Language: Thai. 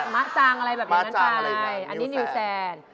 มะจางอะไรแบบนี้กันค่ะอันนี้นิวแซน